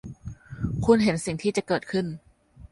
คุณเห็นสิ่งที่จะเกิดขึ้น